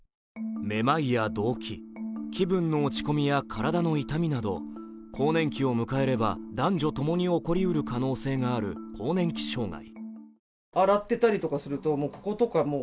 めまいや動悸、気分の落ち込みや体の痛みなど更年期を迎えれば男女ともに起こりうる可能性のある更年期障害。